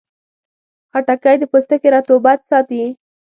خټکی د پوستکي رطوبت ساتي.